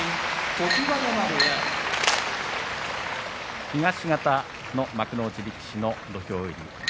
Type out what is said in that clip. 常盤山部屋東方の幕内力士の土俵入り。